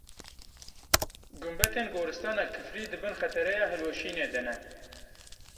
Gumbetên Goristana Kifrî di bin xetereya hilweşînê de ne.